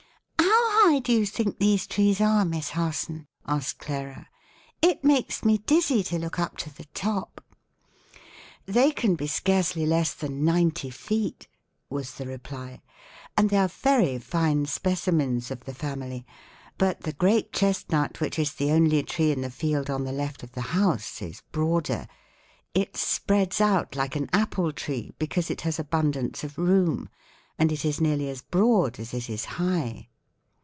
"How high do you think these trees are, Miss Harson?" asked Clara. "It makes me dizzy to look up to the top." [Illustration: LEAF OF THE CHESTNUT.] "They can be scarcely less than ninety feet," was the reply, "and they are very fine specimens of the family; but the great chestnut which is the only tree in the field on the left of the house is broader. It spreads out like an apple tree, because it has abundance of room, and it is nearly as broad as it is high."